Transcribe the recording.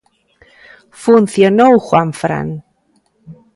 Funcionou Juan Fran.